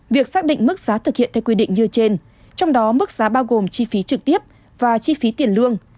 việc xác định mức giá thực hiện theo quy định như trên trong đó mức giá bao gồm chi phí trực tiếp và chi phí tiền lương